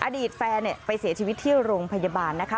อดีตแฟนไปเสียชีวิตที่โรงพยาบาลนะคะ